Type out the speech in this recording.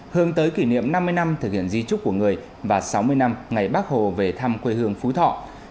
hướng tới kỷ niệm năm mươi năm thực hiện di trúc của người và sáu mươi năm ngày bác hồ về thăm quê hương phú thọ